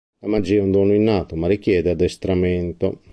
La magia è un dono innato, ma richiede addestramento.